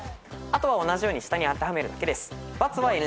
あとは同じように下に当てはめるだけです。